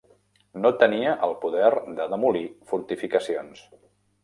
No tenia el poder de demolir fortificacions.